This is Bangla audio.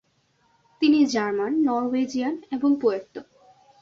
তিনি জার্মান, নরওয়েজিয়ান এবং পুয়ের্তো।